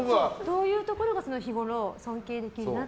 どういうところが日ごろ、尊敬できるなって。